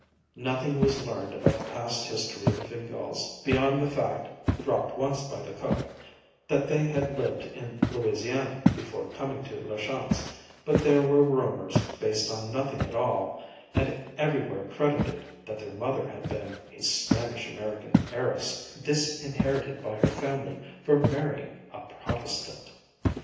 Nothing was learned about the past history of the Fingáls beyond the fact, dropped once by the cook, that they had lived in Louisiana before coming to La Chance, but there were rumors, based on nothing at all, and everywhere credited, that their mother had been a Spanish American heiress, disinherited by her family for marrying a Protestant.